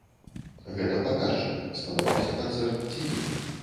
Гэта паказчык, спадабаўся канцэрт ці не.